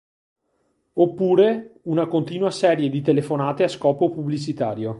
Oppure, una continua serie di telefonate a scopo pubblicitario.